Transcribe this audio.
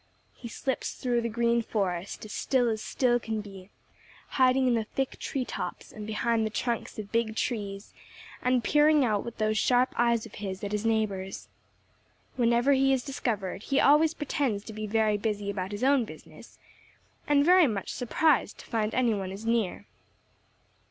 He slips through the Green Forest as still as still can be, hiding in the thick tree tops and behind the trunks of big trees, and peering out with those sharp eyes of his at his neighbors. Whenever he is discovered, he always pretends to be very busy about his own business, and very much surprised to find any one is near.